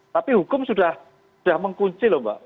tapi hukum sudah mengkunci loh mbak